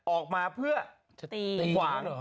ออกมาเพื่อขวาง